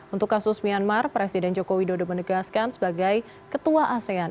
untuk kasus myanmar presiden joko widodo menegaskan sebagai ketua asean